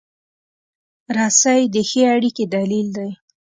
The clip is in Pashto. رسۍ د ښې اړیکې دلیل دی.